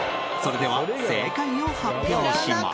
では、正解を発表します。